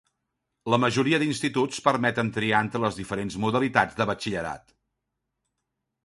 La majoria d'instituts permeten triar entre les diferents modalitats de batxillerat.